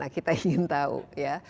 kita ingin tahu ya